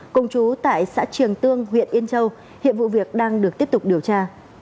cùng chú tại xã triềng tương huyện yên châu hiện vụ việc đang được tiếp tục điều tra